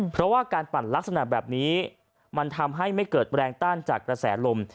เพราะว่าการปั่นลักษณะแบบนี้มันทำให้ไม่เกิดแรงต้านจากกระแสลม